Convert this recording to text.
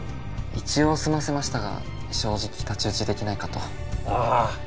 一応済ませましたが正直太刀打ちできないかとああ